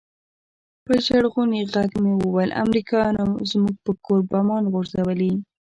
په ژړغوني ږغ مې وويل امريکايانو زموږ پر کور بمان غورځولي.